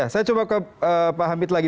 saya coba ke pak hamid lagi